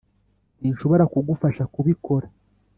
sinshobora kugufasha kubikora